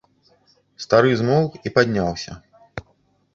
Стары змоўк і падняўся.